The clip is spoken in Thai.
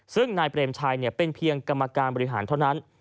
ซึ่งนายเปรมชัยเป็นเพียงกรรมการบริหารเท่านั้น